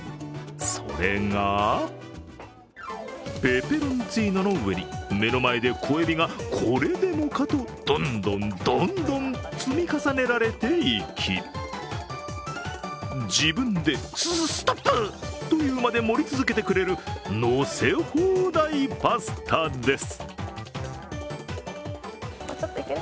それがペペロンチーノの上に、目の前で小えびがこれでもかとどんどん、どんどん積み重ねられていき、自分で「ストップ！」と言うまで盛り続けてくれるのせ放題パスタです。